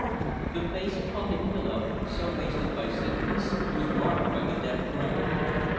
The face upon the pillow, so wasted by sickness, was marked by the death gray.